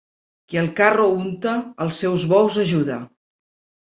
Qui el carro unta, els seus bous ajuda.